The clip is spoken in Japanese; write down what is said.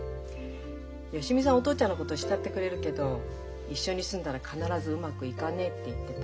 芳美さんはお父ちゃんのこと慕ってくれるけど一緒に住んだら必ずうまくいかねえって言ってた。